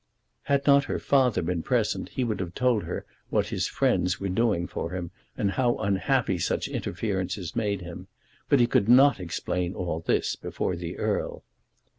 Had not her father been present he would have told her what his friends were doing for him, and how unhappy such interferences made him; but he could not explain all this before the Earl.